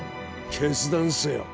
決断せよ。